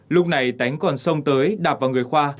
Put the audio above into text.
lúc này tánh còn sông tới đạp vào người khoa